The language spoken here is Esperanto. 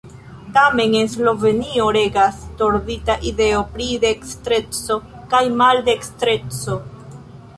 Tamen en Slovenio regas tordita ideo pri dekstreco kaj maldekstreco.